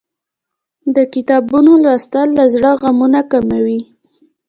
د کتابونو لوستل له زړه غمونه کموي.